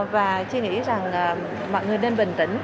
và chị nghĩ rằng mọi người nên bình tĩnh